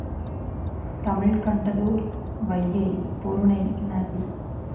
தமிழ்கண்டதோர் வையை பொருனை நதி